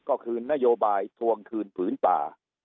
ก็คือนโยบายทวงคืนผืนป่า